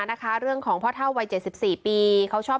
นะคะเรื่องของพ่อเท่าวัย๗๔ปีเขาชอบ